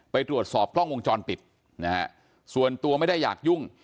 ไปตรวจสอบกล้องวงจรปิดนะฮะส่วนตัวไม่ได้อยากยุ่ง